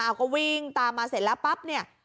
เอาก็วิ่งตามมาเสร็จแล้วปั๊บเนี่ย